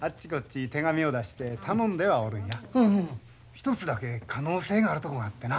１つだけ可能性があるとこがあってな。